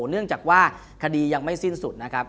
เนื่องจากว่าคดียังไม่สิ้นสุดนะครับ